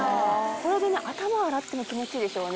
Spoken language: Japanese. これで頭洗っても気持ちいいでしょうね。